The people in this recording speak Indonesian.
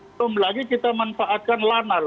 belum lagi kita manfaatkan lanar